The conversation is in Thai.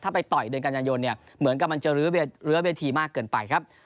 ถ้าไปต่อยเดือนกันยายนเนี่ยเหมือนกับมันจะลื้อเวทีมากเกินไปครับ